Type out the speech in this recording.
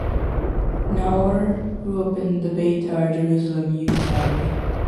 Naor grew up in the Beitar Jerusalem youth academy.